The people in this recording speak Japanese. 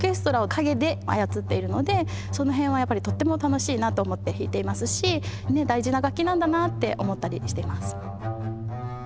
その辺はやっぱりとっても楽しいなと思って弾いていますし大事な楽器なんだなって思ったりしてます。